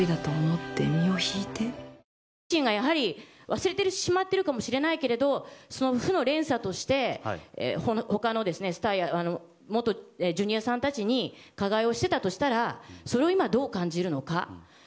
忘れてしまっているかもしれないけれどその負の連鎖として他の元Ｊｒ．さんたちに加害をしていたとしたらそれを今、どう感じるのか。